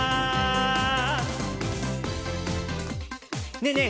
ねえねえ